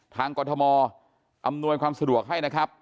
กรทมอำนวยความสะดวกให้นะครับ